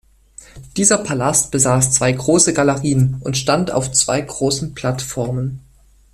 Dieser Palast besaß zwei große Galerien und stand auf zwei großen Plattformen.